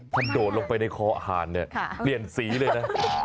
ถ้าโดดลงไปในคออาหารเปลี่ยนสีเลยนะ